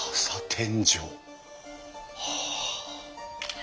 はあ。